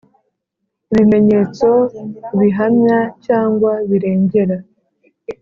ibimenyetso bihamya cyangwa birengera